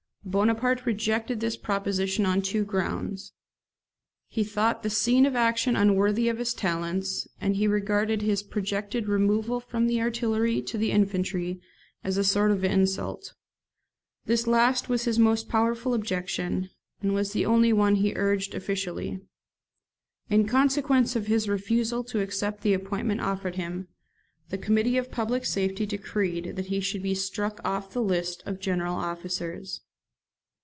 Bonaparte rejected this proposition on two grounds. He thought the scene of action unworthy of his talents, and he regarded his projected removal from the artillery to the infantry as a sort of insult. This last was his most powerful objection, and was the only one he urged officially. In consequence of his refusal to accept the appointment offered him, the Committee of Public Safety decreed that he should be struck off the list of general officers.